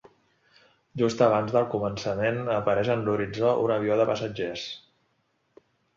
Just abans del començament, apareix en l'horitzó un avió de passatgers.